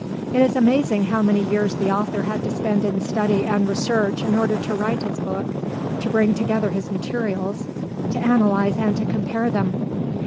It is amazing how many years the author had to spend in study and research in order to write his book, to bring together his materials, to analyse and to compare them.